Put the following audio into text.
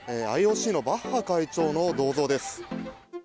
ＩＯＣのバッハ会長の銅像です。